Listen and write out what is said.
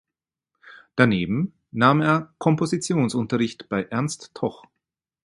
Daneben nahm er Kompositionsunterricht bei Ernst Toch.